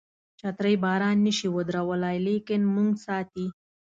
چترۍ باران نشي ودرولای لیکن موږ ساتي.